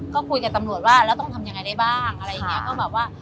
ก็คุยกับตำรวจว่าแล้วต้องทำยังไงได้บ้างอะไรอย่างนี้ก็แบบว่า